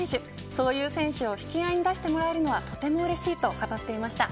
そういう選手を引き合いに出してもらえるのはとてもうれしいと言っていました。